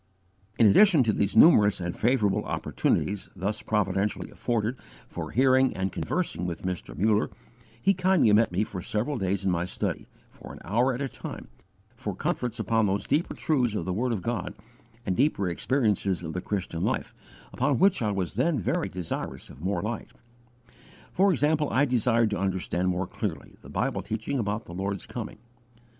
In addition to these numerous and favourable opportunities thus providentially afforded for hearing and conversing with Mr. Muller, he kindly met me for several days in my study, for an hour at a time, for conference upon those deeper truths of the word of God and deeper experiences of the Christian life, upon which I was then very desirous of more light. For example, I desired to understand more clearly the Bible teaching about the Lord's coming.